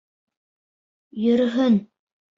Йөрөһөн.